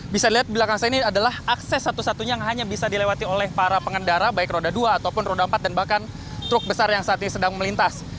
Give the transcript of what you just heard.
bisa dilihat di belakang saya ini adalah akses satu satunya yang hanya bisa dilewati oleh para pengendara baik roda dua ataupun roda empat dan bahkan truk besar yang saat ini sedang melintas